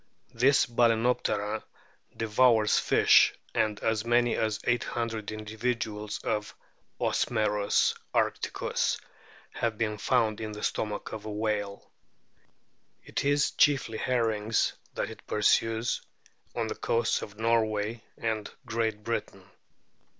This Balcsnoptera devours fish, and as many as 800 individuals of Osmerus arcticiis have been found in the stomach of a whale. It is chiefly herrings that it pursues on the coasts of Norway and Great Britain.